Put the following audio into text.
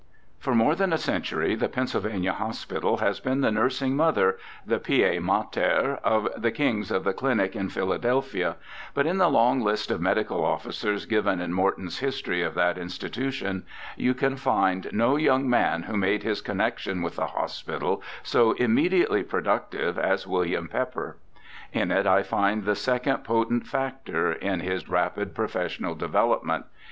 For more than a century the Pennsylvania Hospital has been the nursing mother — the pia mater — of the kings of the clinic in Philadelphia, but in the long list of medical officers given in Morton's history of that institution you can find no young man who made his connexion with the hospital so immediately productive as William Pepper. In it I find the second potent factor in his rapid professional development.